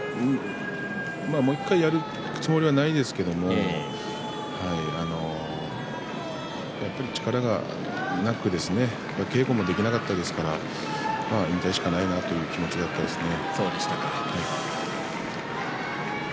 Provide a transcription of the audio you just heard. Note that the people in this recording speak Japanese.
もう１回やるつもりはないですけれどやっぱり力がなく稽古もできなかったですから引退しかないなという気持ちがあったんですね。